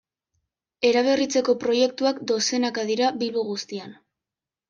Eraberritzeko proiektuak dozenaka dira Bilbo guztian.